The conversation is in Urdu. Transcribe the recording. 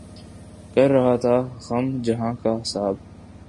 کر رہا تھا غم جہاں کا حساب